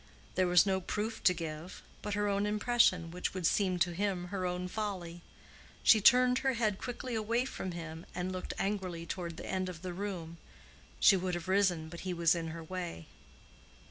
There was no proof to give, but her own impression, which would seem to him her own folly. She turned her head quickly away from him and looked angrily toward the end of the room: she would have risen, but he was in her way.